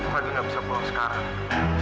fadil gak bisa pulang sekarang